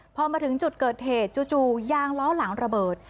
พอมาถึงจุดเกิดเหตุจู่ยางล้อหลังระเบิด